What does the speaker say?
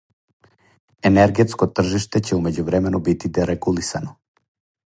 Енергетско тржиште ће у међувремену бити дерегулисано.